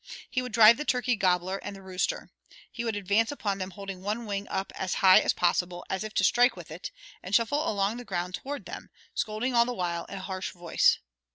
He would drive the turkey gobbler and the rooster. He would advance upon them holding one wing up as high as possible, as if to strike with it, and shuffle along the ground toward them, scolding all the while in a harsh voice.